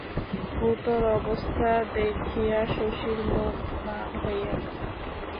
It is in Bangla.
ভুতোর অবস্থা দেখিয়া শশীর মুখ মান হইয়া গেল।